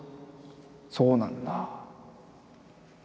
そうなんだ。